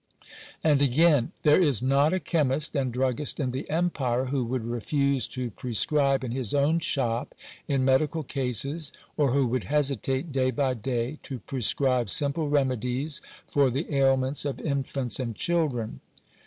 And again, " There is not a chemist and druggist in the empire who would refuse to prescribe in his own shop in medical cases, or who would hesitate day by day to prescribe simple remedies for the ailments of infants and children."